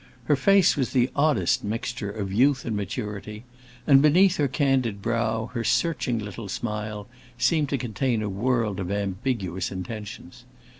Her face was the oddest mixture of youth and maturity, and beneath her candid brow her searching little smile seemed to contain a world of ambiguous intentions.